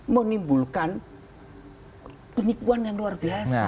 menimbulkan penipuan yang luar biasa